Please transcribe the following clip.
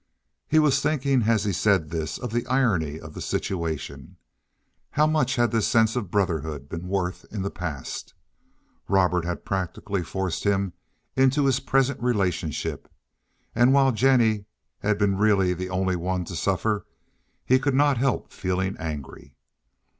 He was thinking as he said this of the irony of the situation. How much had this sense of brotherhood been worth in the past? Robert had practically forced him into his present relationship, and while Jennie had been really the only one to suffer, he could not help feeling angry.